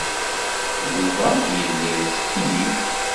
Yuba yella yettkeyyif.